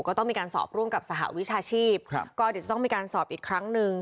ก็ต้องมีการสอบร่วมกับสหวิชาชีพครับก็เดี๋ยวจะต้องมีการสอบอีกครั้งหนึ่ง